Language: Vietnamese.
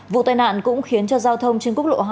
vụ tai nạn cũng khiến cho giao thông trên quốc lộ hai